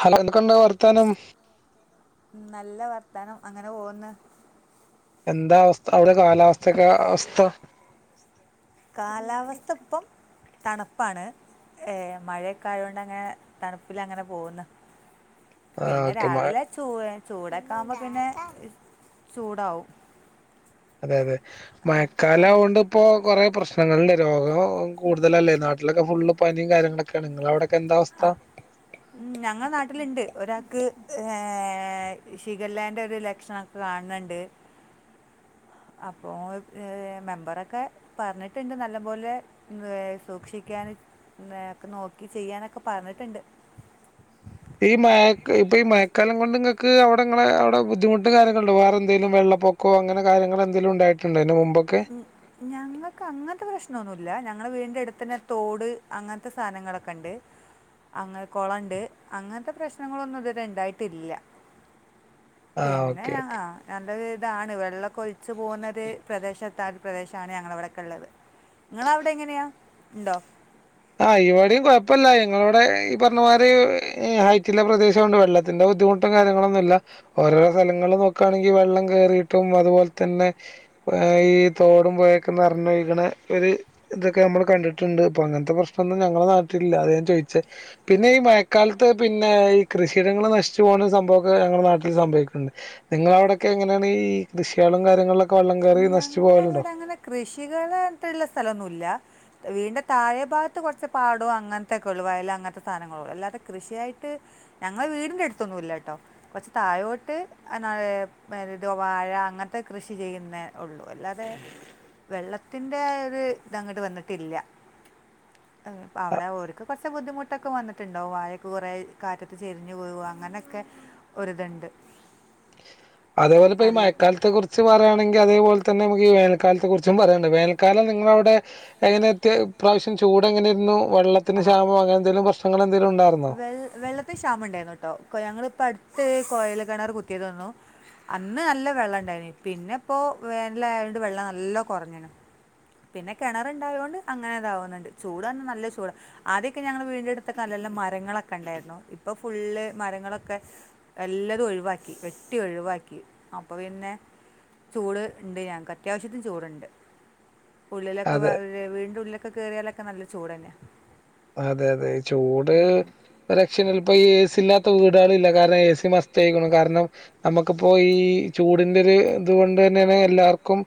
Hello എന്തോക്കണ്ട് വർത്താനം നല്ല വർത്താനം അങ്ങനെ പോവന്ന് എന്താ അവസ്ഥ അവിടെ കാലാവസ്ഥക്കെ അവസ്ഥ കാലാവസ്ഥ ഇപ്പം തണുപ്പാണ് ഏ മഴയൊക്കെ ആയൊണ്ട് അങ്ങെ തണുപ്പില അങ്ങനെ പോകുന്നു ആ പിന്നെ ഓക്കെ മഴ രാവിലെ ചു [unintelligible] ചൂടക്കാവ്മ്പ പ്പിന്നെ ചൂടാവും അതെതെ. ആ, മയക്കാലാവാണ്ട്പ്പൊ പ്രശ്നങ്ങളന്നെ രോഗോം കൂടുതലല്ലേ. നാട്ടിലൊക്കെ ഫുള്ള് പനീം കാര്യങ്ങളെക്കെയാണ്. അവിടൊ അ ഞങ്ങ നാട്ടില്ണ്ട്. ഒരാക്ക് ഏഏ ഷിഗല്ലാന്റ ഒര് ലക്ഷണങ്ങള് കാണണൊണ്ട് അപ്പോ മെമ്പറൊക്കപറഞ്ട്ട്ണ്ട് നല്ലപോല സൂക്ഷിക്കാനും ക്കെ നോക്കി ചെയ്യാനൊക്ക പറഞ്ഞിട്ടുണ്ട് ഈ മയക്ക മയക്കാലംകൊണ്ടിങ്ങക്ക് അവിടങ്ങളെ അവിടെ ബുദ്ധിമുട്ട് കാര്യങ്ങള്ടൊ വേറെന്തേലും വെള്ള പ്പൊക്കോ അങ്ങനെ കാര്യങ്ങളെന്തേലുണ്ടായിട്ടൊണ്ടോ ഇന് മുമ്പ ഞങ്ങക്കങ്ങത്തെ പ്രശ്നൊന്നുല്ല ടുത്തിന തോട് അങ്ങനത്ത സാനങ്ങളക്ക്ണ്ട് അങ കൊളണ്ട്. അങ്ങത്ത പ്രശ്നങ്ങളൊന്നുത് വരെണ്ടായിട്ടില്ല ആ പിന്നെ ഓക്കെ ഓക്കെ അ [unintelligible] താണ്. വെള്ളൊക്കൊയിച്ച് പോന്നത് [inaudible] [unintelligible] പ്രദേശാണ് ഞങ്ങളവിടെക്കുള്ളത്. ങ്ങളവിടെയെങ്ങനെയാ ഇണ്ടോ ഇവിടെം കൊയപ്പില്ല. ഞങ്ങടവിടെ ഈ പറഞ്ഞാതിരി ഹൈറ്റ്ള്ള പ്രദേശാണ്ട് വെള്ളത്തിന്റെ ബുദ്ധിമുട്ട് കാര്യങ്ങളൊന്നുല്ല. ഓരോരോ സലങ്ങള് നോക്ക്ആണെങ്കി വെള്ളം കേറീട്ടും അതുപോലതന്നെഅ ഈ തോടും പുയേക്ക നെറഞ്ഞൊയ്കണ ഇത് എന്തൊക്ക നമ്മള് കണ്ടിട്ടൊണ്ട്. അപ്പ അങ്ങന പ്രശ്നങ്ങ ളൊന്നും ഞങ്ങള നാട്ടില്ല. അത ഞാൻ ചോയ്ച്ചെ. പിന്നെ ഈ മയക്കാലത്ത് പിന്നെ കൃഷിയിടങ്ങള് നശിച്ച് പോന്ന സംഭവക്ക ഞങ്ങളെ നാട്ടിൽ സംഭവിക്ക്ന്ന്ണ്ട്. നിങ്ങള അവിടക്കെങ്ങനെയാണ് ഈ കൃഷികളും കാര്യങ്ങളു ഞങ്ങളവ്ടങ്ങനെ കൃഷികള് ത്രെള്ള സ്ഥലൊന്നുല്ല വീടിന്റെ തായേ ഭാഗത്ത്‌ കൊർച്ച് പാടും അങ്ങൻത്തെക്കൊള്ളു വയല് അങ്ങൻത്തെ സാനങ്ങളൊള്ളു അല്ലാതെ കൃഷിയായിട്ട് ഞങ്ങളെ വീടിന്റെട്ത്തൊന്നുല്ലട്ടോ കൊച്ച് തായോട്ട് [unintelligible] വാഴ അങ്ങൻത്തെ കൃഷി ചെയ്യ്ന് ഒള്ളു അല്ലാതെ വെള്ളത്തിന്റെ ര് തങ്ങട്ട് വന്നിട്ടില്ല ഉം അവടെ ഓര്ക്ക് കൊച് ബുദ്ധിമുട്ടൊക്കെ വന്നിട്ടുണ്ടാകും വാഴക്കെ കൊറേ കാറ്റത് ചെരിഞ്ഞു വികും അങ്ങനെക്കെ ഒര്ത്ണ്ട് അതെ പൊലെ പ്പ മഴക്കാലത്തെ കുർച്ച് പറയാണെങ്കിൽ അതെ പോൽ നിങ്ങളവിടെ എങ്ങനെ ഇപ്രാവശ്യം ചൂട് ആ ങ്ങള് വെൾ വെള്ളത്തി ക്ഷാമണ്ടായ്രുന്ന് ട്ടൊ ഞങ്ങളിപ്പട് ക് കൊയൽ ക്കിണറ് കുത്തി തന്നു അന്ന് നല്ല വെള്ളെണ്ടേനി പിന്നെപ്പോ വേനലായോണ്ട് വെള്ള നല്ല കൊർഞ്ണ് ഇതാവുന്നുണ്ട് ചൂട് പറഞ്ഞാൽ നല്ല ചൂട് ആദ്യമൊക്കെ ഞങ്ങൾ വീടിൻ്റെ അടുത്തൊക്കെ നല്ല നല്ല മരങ്ങളൊക്കെ ഉണ്ടായിരുന്നു ഇപ്പൊ ഫുള്ള് മരങ്ങളൊക്കെ എല്ലാതും ഒഴിവാക്കി വെട്ടി ഒഴിവാക്കി അപ്പോൾ പിന്നെ ചൂട് ഉണ്ട് ഞങ്ങൾക്ക് അത്യാവശ്യത്തിന് ചൂടുണ്ട് അതെ ത്ക്ക് കെർയാലൊക്കെ നല്ല ചൂടന്ന അതെ തെ ചൂട് ഒരക്ഷില്ലല്ലോ പ്പ എ ഇല്ലാത്ത വീടുകള ഇില്ല കാരണം എ സി മസ്യായിക്കണം കാരണം നമുക്കിപ്പോ ഈ ചൂടിന്റെ ഒരു ഇതുകൊണ്ട് തന്നേണ് എല്ലാർക്കും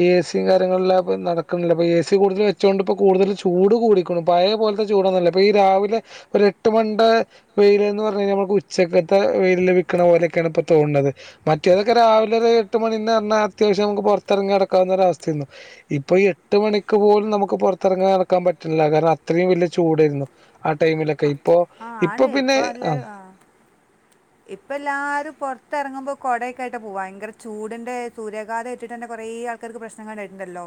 ഈ എ സിയും കാര്യങ്ങളെല്ലാം നടക്കണില്ല എ സി കൂടുതൽ വെച്ചൊണ്ടിപ്പോ കൂടുതൽ ചൂട് കൂടിക്കണ പയേ പോലെ ചൂടന്ന ഈ രാവിലെ ഒരു എട്ട് മണീടെ വെയിലന്ന് പറഞ്ഞ് കഴിഞ്ഞാൽ നമുക്ക് ഉച്ചക്കത്തെ വെയില് നിക്കണ പോലെയൊക്കെയാണ് ഇപ്പോ തോന്നണത് മറ്റേതൊക്കെ രാവിലെ ഒരു എട്ട് മണീന്ന് പറഞ്ഞാൽ അത്യാവശ്യം നമുക്ക് പുറത്തിറങ്ങി നടക്കാവുന്ന ഒരു അവസ്ഥയാന്നു ഇപ്പൊ ഈ എട്ട് മണിക്ക് പോലും നമുക്ക് പുറത്തിറങ്ങി നടക്കാൻ പറ്റില്ല കാരണം അത്രയും വലിയ ചൂടാരുന്നു ആ ടൈമിലൊക്കെ ഇപ്പൊ ആ ഇപ്പൊ പിന്നെ ആ ഇപ്പ എല്ലാരും പൊറത്തിറങ്ങുമ്പോ കൊടൊക്കായിട്ട് പൂവാ ഭയങ്കര ചൂടിന്റെ സൂര്യാഘാതം ഏറ്റിട്ടന്നെ കൊറേ ആൾക്കാർക്ക് പ്രശ്നങ്ങളി ണ്ടായിട്ടുണ്ടല്ലോ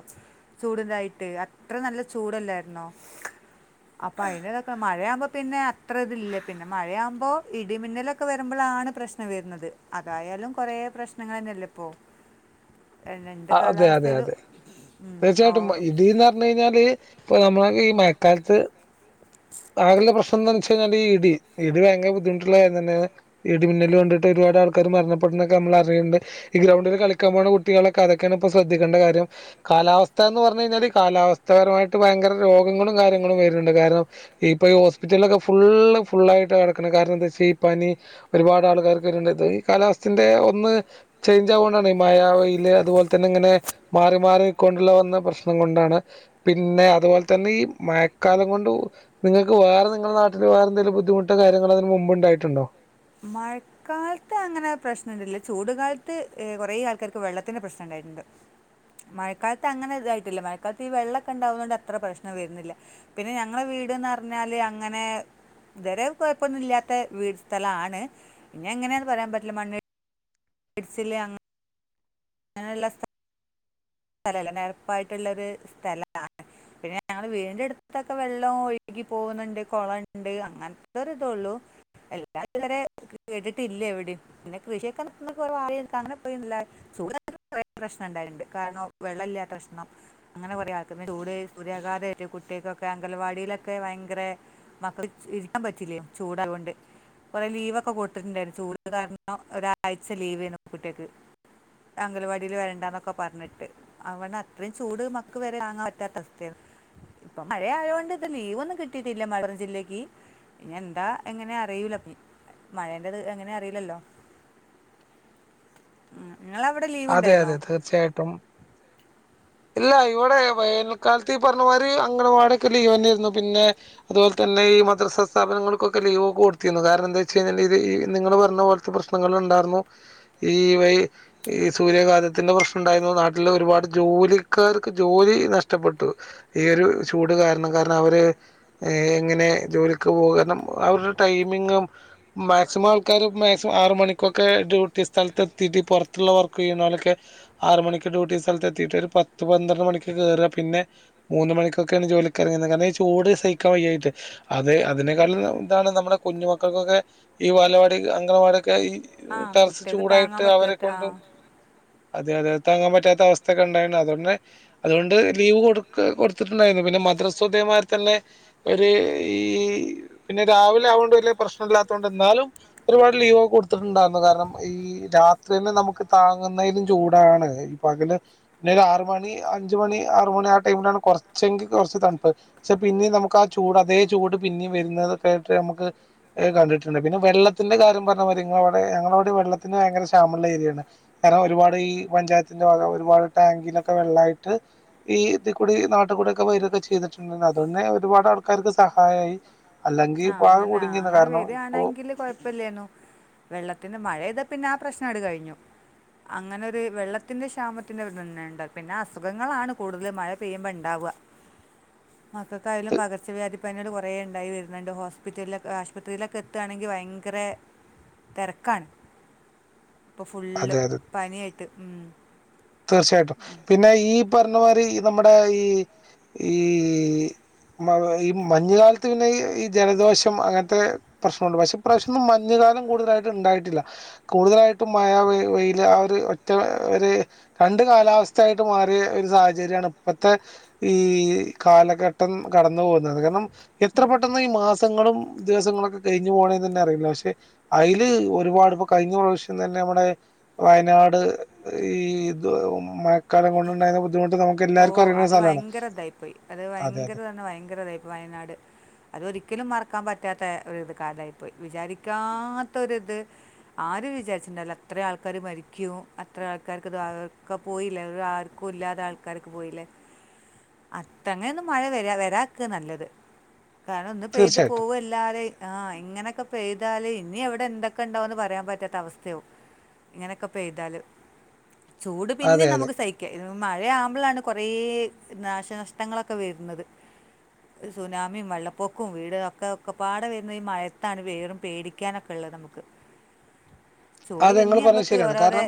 ചൂടിന്റായിട്ട് അത്ര നല്ല ചൂടല്ലായിരുന്നോ അപ്പൊ അതിതൊക്കെ മഴയാകുമ്പോ പിന്നെ അത്ര ഇതില്ല പിന്നെ മഴയാകുമ്പോ ഇടിമിന്നലൊ ഒക്കെ വരുമ്പോളാണ് പ്രശ്നം വരുന്നത് അതായാലും കൊറെ പ്രശ്നങ്ങളന്നെയല്ലേ ഇപ്പൊ എങ്ങനെണ്ട് അ- അതെ അതെ കാലാവസ്ഥത് അതെ തീർച്ചയായിട്ടും ഇടിന്ന് പറഞ്ഞു കഴിഞ്ഞാല് ഇപ്പ നമ്മള ങ്ങക്ക് ഈ മഴക്കാലത്ത് [unintelligible] ഇടി ഇടി ഭയങ്കര ബുദ്ധിമുട്ടുള്ള കാര്യം തന്നെ ആണ് ഇടിമിന്നല് കൊണ്ടിട്ട് ഒരുപാട് ആൾക്കാര് മരണപ്പെട്ടിടുന്നു നമ്മള് അറിയുന്നുണ്ട് ഈ ഗ്രൗണ്ടിൽ കളിക്കാൻ പോകുന്ന കുട്ടികൾ ഇപ്പൊ അതൊക്കെ ആണ് ശ്രദ്ധിക്കേണ്ടത്. കാലാവസ്ഥ എന്ന് പറയുന്നത് കാലാവസ്ഥ പരമായി ഒരുപാട് രോഗങ്ങളും കാര്യങ്ങളും വരുണ്ട് ഇപ്പ ഇ ഹോസ്പിറ്റലിൽഒക്കെ ഫുള്ള് ഫുള്ളായിട്ട കടക്കിനെ കാരനെന്താച്ചാ ഈ പനി ഒരുപാട്ൾക്കാരൊക്കെലതത് കാലാവസ്ഥന്റെ ഒന്ന് ചെങ്ങാവനെയാണ് മയ വെയില് അതുപോൽത്തന്നെങ്ങനെ മാറിമാറികൊണ്ടല്ല വെന്നില്ല പ്രശ്നം കൊണ്ടാണ്പിന്നെ അതുപോലെതന്നെ ഈ മഴക്കാലാംകൊണ്ടും നിങ്ങൾക്ക് വേറെ നിങ്ങളെ നാട്ടില് വേറെന്തെങ്കിലും ബുദ്ധിമുട്ടോ കാര്യങ്ങളോ ഇതിന് മുമ്പ് ണ്ടായിട്ടുണ്ടോ മഴക്കാലത്ത് അങ്ങനെ പ്രശ്നയൊന്നുമില്ല ചൂട കാലത്ത് കുറെേ ആൾക്കാർക്ക് വെള്ളത്തിന്റെ പ്രശ്നയുണ്ടായിട്ടുണ്ട് മഴക്കാലത്ത് അങ്ങനെ ഇതായിട്ടില്ല മഴക്കാലത്ത് ഈ വെള്ളമൊക്കെ ഉണ്ടാവുന്ന കൊണ്ട് അത്ര പ്രശ്നം വരുന്നില്ല പിന്നെ ഞങ്ങളുടെ വീട്ന്ന് പറഞ്ഞാല് അങ്ങനെ തീരെ കുഴപ്പൊന്നും ഇല്ലാത്ത വീട് സ്ഥലണ് പിന്നെ എങ്ങനെയാണ് പറയാൻ പറ്റില്ല മണ്ണ് ബസിൽ അങ്ങനെ ഞാൻ എല്ലാ സ്ഥലല്ല നിരപ്പായിട്ടുള്ള ഒരു സ്ഥലയാണ് പിന്നെ ഞങ്ങൾ വീടിന്റെ അടുത്തത്തൊക്കെ വെള്ളം ഒഴുകി പോകുന്നുണ്ട് കുളയുണ്ട് അങ്ങനത്തെ ഒരു ഇതള്ളു എല്ലാം ഇവരെ കേട്ടിട്ടില്ല എവിടെ പിന്നെ കൃഷിയൊക്കെ നിക്ക അങ്ങനെ പോയില്ല സുഖ കുറെേ പ്രശ്നം ഉണ്ടായിട്ടുണ്ട് കാരണം വെള്ളമല്ലാത്ത ഉഷ്ണം അങ്ങനെ കൊറെ ആൾക്ക ചൂട് സൂര്യാഘാതമായിട്ട് കുട്ടികക്കൊക്കെ അങ്കലാവാടിയിലൊക്കെ ഭയങ്കര മക്കൾ ഇരിക്കാൻ പറ്റില്ലേ ചൂടയായൊണ്ട് കുറെലീവൊക്കെ കൊടുത്തിട്ടുണ്ടായിരുന്നു ചൂട് കാരണം ഒരാഴ്ച ലീവെന്ന് കുട്ടിആൾക്ക് അങ്കലാവാടിൽ വരണ്ടന്നൊക്കെ പറഞ്ഞിട്ട് അവടെ അത്രയും ചൂട് മക്ക വരെ വാങ്ങാൻ പറ്റാത്ത അവസ്ഥ ആണ്. ഇപ്പൊ മഴയയോണ്ട് ഇത് ലീവ് ഒന്നും കിട്ടിട്ടില്ല മലപ്പുറം ജില്ലേക്ക് ഇനി എന്താ എങ്ങനെ അറിയൂല [unintelligible] മഴെന്റത് എങ്ങനെ അറിയിലല്ലോ അതെ അതെ തീർച്ചയായിട്ടും ഇല്ല ഇവിടെ വേനൽക്കാൽത്ത് ഈ പറഞ്ഞമരി അംഗനവാടിയൊക്കെ ലീവന്നാര്ന്നു. പിന്നെ അതുപോലെ തന്നെ ഈമ ഈ സൂര്യാഘാതത്തിന്റെ പ്രശ്നം ഉണ്ടായിരുന്നു നാട്ടില് ഒരുപാട് ജോലിക്കാർക്ക് ജോലി നഷ്ടപ്പെട്ടു. ഈ ഒരു ചൂട് കാരണം കാരണം അവര് എങ്ങനെ ജോലിക്ക് പോക കാരണം അവരുടെ ടൈമിങ്ങും മാക്സിമം ആൾക്കാര് മാക്സിമം ആറ് മണിക്കൊക്കെ ഡ്യൂട്ടി സ്ഥലത്ത് എത്തീട്ട് പൊറത്ത് ത്തുള്ള വർക്ക് ചെയ്യുന്നോലൊക്കെ ആറ് മണിക്ക് ഡ്യൂട്ടി സ്ഥലത്ത് എത്തിയിട്ട് ഒരു പത്ത് പന്ത്രണ്ട് മണിക്ക് കേറ്അ പിന്നെ മൂന്ന് മണിക്കൊക്കേണ് ജോലിക്ക് ഇറങ്ങി കാരണം അങ്ങനെ ഈ ചൂട് സഹിക്കാൻ വയ്യായിട്ട് അതേ അതിനേക്കാളും താണ് നമ്മളെ നമ്മുടെ കുഞ്ഞു മക്കൾക്കൊക്കെ ഈ ബാലവാടി അംഗണവാടിയൊക്കെ ഒക്കെ ഈ ആ ടെറസ് കുട്ടികൾക്ക് താങ്ങാൻ ചൂടായിട്ട് അവരെ പറ്റാത്ത ആ കൊണ്ട് അതെ, അതെ, താങ്ങാൻ പറ്റാത്ത അവസ്ഥക്കെ ഉണ്ടായിണ്ട്. അതോണ്ടെന്നെ, അതുകൊണ്ട് ലീവ് കൊടുക്ക് കൊടുത്തിട്ടുണ്ടായിരുന്നു. പിന്നെ മദ്രസും ഇതേമായ്ര് തന്നെ ഒരു ഈ പിന്നെ രാവിലെ ആവോണ്ട് വലിയ പ്രശ്നം ഇല്ലാത്തോണ്ട് ന്നാലും ഒരുപാട് ലീവൊക്കെ കൊടുത്തിട്ടുണ്ടാർന്ന് കാരണം ഈ രാ പിന്നെ നമുക്ക് താങ്ങുന്നയിലും ചൂടാണ്. പകല് പിന്നെ ഒരു ആറ് മണി, അഞ്ച് മണി, ആറ് മണി, ആ ടൈമിലാണ് കെറച്ചെങ്കി കൊറച്ച് തണുപ്പ്. പക്ഷെ പിന്നിം നമുക്ക് ആ ചൂട് അതേ ചൂട് പിന്നിം വരുന്നതൊക്കായിട്ട് നമുക്ക് [unintelligible] കണ്ടിട്ടുണ്ട്. പിന്നെ വെള്ളത്തിന്റെ കാര്യം പറഞ്ഞ മായിരി ഇങ്ങളവിടെ ഞങ്ങളോടിം വെള്ളത്തിന് ഭയങ്കര [unintelligible] ഏരിയാണ്. കാരണം ഒരുപാട് ഈ പഞ്ചായത്തിന്റെ ഭാഗ ഒരുപാട് ടാങ്കിലൊക്കെ വെള്ളായിട്ട് ഈ ഇതിക്കൂടി നാട്ട്കൂടി ഒക്കെ വരുക്കെ ചെയ്തിട്ടുണ്ട് അതോട്ടന്നെ ഒരുപാട് ആൾക്കാർക്ക് സഹായി ആ അങ്ങനെ അങ്ങനെ വെര്യാണെങ്കില് കൊഴപ്പില്ലേന്നു വെള്ളത്തിന് മഴ ത പിന്നെ ആ പ്രശ്നാട് കഴിഞ്ഞു അങ്ങനെ ഒര് വെള്ളത്തിന്റെ ക്ഷാമത്തിന്റെ ഒരിതന്നെണ്ട് പിന്നെ അസുഖങ്ങളാണ് കൂടുതൽ മഴ പെയ്യുമ്പോ ഇണ്ടാവ. മക്കക്കായാലും ത് പകർച്ചവ്യാധിപ്പനിയാള് കൊറേണ്ടായി വര് ന്നണ്ട് ഹോസ്പിറ്റലിലെ ആശുപത്രിയിലൊക്കെ എത്താണെങ്കി വയങ്കര തെരക്കാണ് ഇപ്പം ഫുള്ള് അതെ അതെ പനിയായിട്ട് ഉം പർഞ്ഞമാരി നമ്മുടെ ഈ ഈ മഴ ഈ മഞ്ഞ്കാലത്ത് പിന്നെ ഈ ജലദോഷം അങ്ങൻത്തെ പ്രശ്നൊള്ളൂ പഷേ ഇപ്രാശ്യം മഞ്ഞ്കാലം കൂടുതലായിട്ട് ണ്ടായിട്ടില്ല കൂടുതലായിട്ടും മഴ വെയ് വെയില് ആ ഒര് ഒറ്റ ഒര് രണ്ട് കാലാവസ്ഥയായിട്ട് മാറിയ ഒരു സാഹചര്യാണ് ഇപ്പത്തെ ഈ കാലഘട്ടം കടന്നു പോകുന്നത്. കാരണം എത്ര പെട്ടെന്ന് ഈ മാസങ്ങളും ദിവസങ്ങളൊക്കെ കഴിഞ്ഞു പോണേന്ന ന്നെ അറിയ്ണില്ല പക്ഷെ അയില് ഒരുപാട് ഇപ്പോ കഴിഞ്ഞ പ്രാവശ്യം ഇന്നെന്നെ നമ്മുടെ വയനാട് ഈ ഇത് മഴക്കാലം കൊണ്ടുണ്ടായിന്ന ബുദ്ധിമുട്ട് നമുക്ക് ഓ എല്ലാവർക്കും അറിയുന്ന ഒരു അത് സ്ഥലമാണ് വയങ്കര ഇതായി പോയി അത് അതെ ഭയങ്കര അതെ തന്നെ ഭയങ്കര ഇതായിയി വയനാട് അത് ഒരിക്കലും മറക്കാ പ കാത്തേ ഒര് ഇത് കാലായിപ്പോയി വിചാരിക്കാത്ത ഒരിത് ആരും വിചാരിച്ചിണ്ടാവില്ല അത്ര ആൾക്കര് മരിക്കും അത്ര ആൾക്കാർക്ക് ഇത് അവർക്കെ പോയില്ലേ അവർ ആർക്കും ഇല്ലാതെ ആൾക്കാരൊക്കെ പോയില്ലേ അത്ത അങ്ങനെന്നും മഴ വരാ വരാക്കാ നല്ലത് കാരണം ഇന്ന് പെയ്ത് തീർച്ചയായിട്ടും പോവല്ലാതെ ആ ഇങ്ങനെയൊക്കെ പെയ്താല് ഇനി അവിടെ എന്തൊക്കെ ണ്ടാവുന്ന് പറയാൻ പറ്റാത്ത അവസ്ഥയാവും ഇങ്ങനെയൊക്കെ പെയ്താല് ചൂട് പിന്നിം അതെ അതെ നമുക്ക് സഹിക്കാ ഇത് മഴയാവുമ്പളാണ് കൊറേ നാശനഷ്ടങ്ങളൊക്കെ വരുന്നത് ഒര് സുനാമിയും വെള്ളപ്പൊക്കും വീട് ഒക്കെ ഒക്കെ പാടെ വരുന്നത് ഈ മഴയത്താണ് വേറും പേടിക്കാനൊക്കെള്ളത് നമ്മക്ക് അതെ ഇങ്ങൾ പറഞ്ഞത് ശെരിയാണ് കാരണം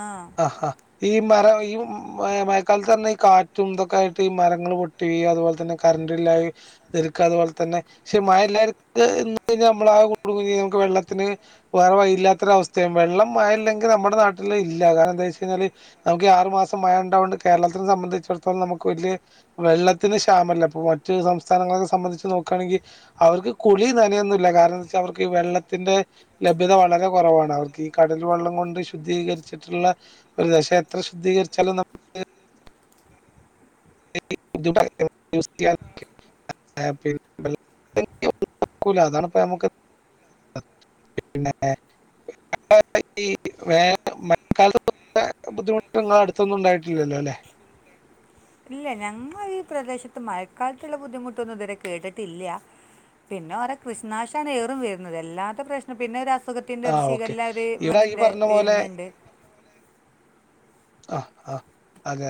ആ അ ഹാ ഈ മര ഇം മയ [unintelligible] തന്നെ ഈ കാറ്റും തൊക്കെ ആയിട്ട് ഈ മരങ്ങൾ പൊട്ടി അതുപോൽതന്നെ കറണ്ടില്ലാതെയിരിക്ക അതുപോലെ തന്നെ പക്ഷെ മഴ ഇല്ലായി [unintelligible] കഴിഞ്ഞാൽ നമ്മള ആ [unintelligible] നമക്ക് വെള്ളത്തിന് വേറെ വഴില്ലാത്ത വല്ലാത്തൊരു അവസ്ഥയും വെള്ളം മഴ ഇല്ലെങ്കിൽ നമ്മുടെ നാട്ടിൽ ഇല്ല കാരണം എന്താ വെച്ച് കഴിഞ്ഞാൽ നമുക്ക് ആറു മാസം മഴ ഉണ്ടാവോണ്ട് കേരളത്തിനെ സംബന്ധിച്ചിടത്തോളം നമുക്ക് വലിയ വെള്ളത്തിന് ക്ഷാമല്ല ഇപ്പൊ മറ്റു സംസ്ഥാനങ്ങളക്കെ സംബന്ധിച്ച് നോക്കാണെങ്കി അവർക്ക് കുളി നനയൊന്നുല്ല കാരണം എന്താ വെച്ചാ അവർക്ക് ഈ വെള്ളത്തിന്റെ ലഭ്യത വളരെ കുറവാണ് അവർക്ക് ഈ കടൽ വെള്ളം കൊണ്ട് ശുദ്ധീകരിച്ചിട്ടുള്ള ഒരു പക്ഷെ എത്ര ശുദ്ധീകരിച്ചാലും നമുക്ക് [inaudible] ഇല്ല ഞങ്ങ ഈ പ്രദേശത്ത് മഴക്കാൽത്ത്ള്ള ബുദ്ധിമുട്ടൊന്നും ഇത് വരെ കേട്ടിട്ടില്യാ പിന്നെ ഓരോ കൃഷി നശാണ് ഏറി വരുന്നത് അല്ലാതെ പ്രശ്ന പിന്നെ രാ പ്പൊതക്കോ ആ ഓക്കെ ഷിഗല്ലാത് ഇവിടെ ഈ മറ്റേൻ്റെ പറഞ്ഞ പോലെ വര്ന്ന്ണ്ട് ആഹ് ആഹ്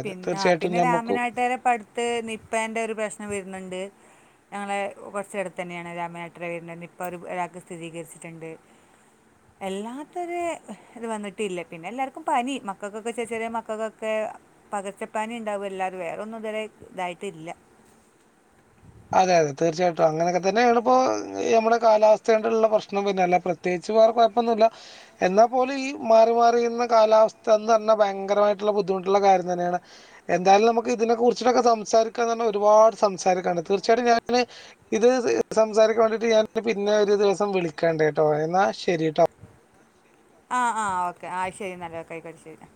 പിന്ന പിന്നെ രാമനാട്ടുകാരുടെ പ്പടുത്ത് നിപ്പെന്റെ ഒരു പ്രശ്നം വരുന്ന്ണ്ട് ഞങ്ങടെ കൊറച്ചെടുത്തന്നെയാണ് രാമനാട്ടുകരയിൽ നിപ്പ ഒര് ഒരാൾക്ക് സ്ഥിതീകരിച്ചിട്ട്ണ്ട് അല്ലാത്തൊരു ഹ് ഇത് വന്നിട്ടില്ല പിന്നെ എല്ലാർക്കും പനി മക്കൊക്കെ ചെ ചെറിയ മക്കൊക്കെ പകർച്ചപനി ഇണ്ടാവുല്ലാതെ വേറെ ഒന്നും ഇതുവരെ ഇതായിട്ടില്ല അതെ അതെ തീർച്ചിയിട്ടും അങ്ങനൊക്കെ തന്നെയാണിപ്പോ നമ്മുടെ കാലാവസ്ഥ ആയിട്ടുള്ള പ്രശ്നം പിന്ന അല്ലാതെ പ്രത്യേകിച്ച് വേറെ കൊയപ്പൊന്നുമില്ല എന്നാൽ പോലും ഈ മാറി മാറി വരുന്ന കാലാവസ്ഥ അത് തന്നെ ഭയങ്കരമായിട്ടുള്ള ബുദ്ധിമുട്ടുള്ള കാര്യം തന്നെയാണ് എന്തായാലും നമുക്ക് ഇതിനെക്കുറിച്ചിട്ടൊക്കെ സംസാരിക്കാൻ തന്നെ ഒരുപാട് സംസാരിക്കാനുണ്ട് തീർച്ച ആയിട്ടും ഞാന് ഇത് സംസാരിക്കാൻ വേണ്ടിയിട്ട് ഞാൻ പിന്നെ ഒര് ദിവസം വിളിക്കണ്ടെട്ടോ എന്നാ ശെരിട്ടോ ആഹ് ആഹ് ഒക്കെ ആഹ് ശെരിന്നാ